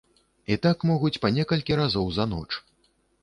І так могуць па некалькі разоў за ноч.